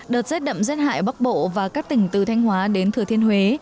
đợt rét đậm rét hại bắc bộ và các tỉnh từ thanh hóa đến thừa thiên huế